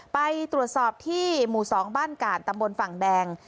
ไปตรวจสอบที่หมู่๒บ้านก่านตำบลฝั่งแดง